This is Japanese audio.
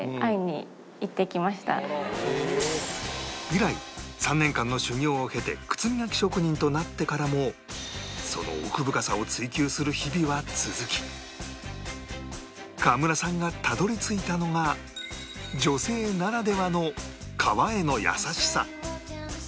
以来３年間の修業を経て靴磨き職人となってからもその奥深さを追求する日々は続き河村さんがたどり着いたのが女性ならではの革への優しさ